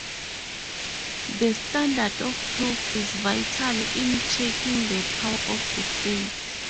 The standard of proof is vital in checking the power of the State.